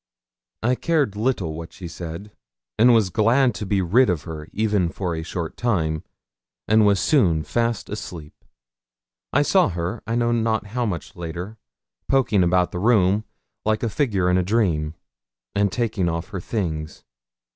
I cared little what she said, and was glad to be rid of her even for a short time, and was soon fast asleep. I saw her, I know not how much later, poking about the room, like a figure in a dream, and taking off her things.